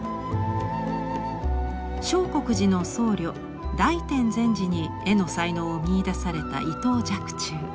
相国寺の僧侶大典禅師に絵の才能を見いだされた伊藤若冲。